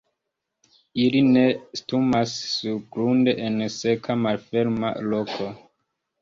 Ili nestumas surgrunde en seka malferma loko.